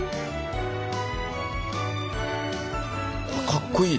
かっこいい。